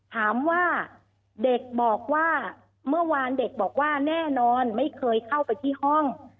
ถามว่าเด็กบอกว่าเมื่อวานเด็กบอกว่าแน่นอนไม่เคยเข้าไปที่ห้อง